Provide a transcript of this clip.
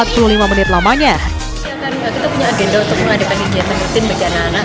kita punya agenda untuk mengadakan kegiatan rutin bagi anak anak